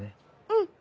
うん！